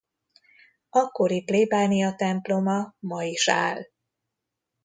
Akkori plébániatemploma ma is áll.